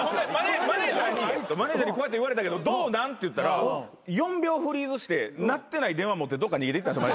マネジャーにこうやって言われたけど「どうなん？」って言ったら４秒フリーズして鳴ってない電話持ってどっか逃げていったんですよ。